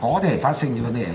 có thể phát sinh cho vấn đề ấy rồi